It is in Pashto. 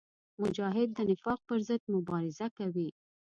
مجاهد د نفاق پر ضد مبارزه کوي.